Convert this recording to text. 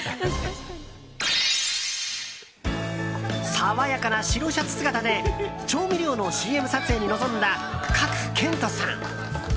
爽やかな白シャツ姿で調味料のＣＭ撮影に臨んだ賀来賢人さん。